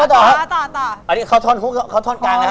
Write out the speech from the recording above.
อันนี้เขาทนฮุกเขาทนกลางนะครับ